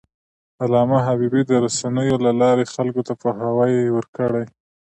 علامه حبيبي د رسنیو له لارې خلکو ته پوهاوی ورکړی.